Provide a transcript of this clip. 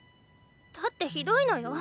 だってひどいのよ